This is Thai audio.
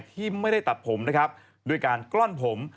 ที่ไม่ได้ตัดผมด้วยการกล้อนผม